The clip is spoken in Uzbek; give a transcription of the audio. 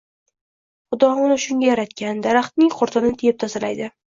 Xudo uni shunga yaratgan, daraxtning qurtini yeb tozalaydi.